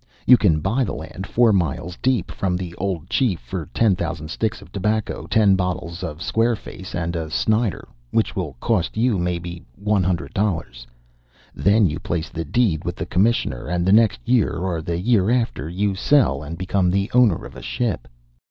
You can buy the land four miles deep from the old chief for ten thousand sticks of tobacco, ten bottles of square face, and a Snider, which will cost you, maybe, one hundred dollars. Then you place the deed with the commissioner; and the next year, or the year after, you sell and become the owner of a ship."